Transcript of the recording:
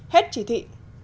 hết chỉ thị